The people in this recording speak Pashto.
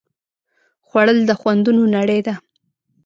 خوړل د خوندونو نړۍ ده